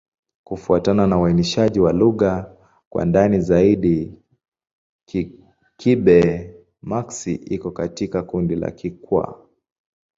Kufuatana na uainishaji wa lugha kwa ndani zaidi, Kigbe-Maxi iko katika kundi la Kikwa.